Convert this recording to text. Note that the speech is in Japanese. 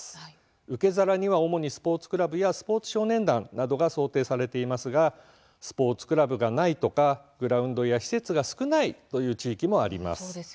受け皿には主にスポーツクラブやスポーツ少年団などが想定されていますがスポーツクラブがないとかグラウンドや施設が少ないという地域もあります。